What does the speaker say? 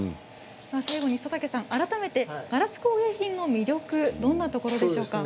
佐竹さん、改めてガラス工芸品の魅力どんなところですか？